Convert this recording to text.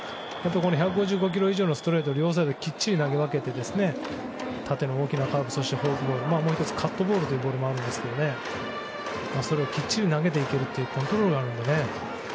１５５キロ以上のストレート両サイドにきっちり投げ分けて縦の大きなカーブフォークボールあとカットボールというボールもありますしそれをきっちり投げていけるというところがあるので。